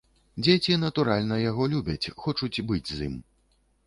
Дзеці, натуральна, яго любяць, хочуць быць з ім.